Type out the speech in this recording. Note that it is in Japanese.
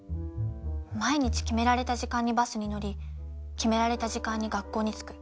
毎日決められた時間にバスに乗り決められた時間に学校に着く。